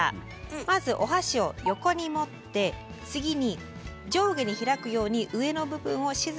まずお箸を横に持って次に上下に開くように上の部分を静かに引っ張って割ります。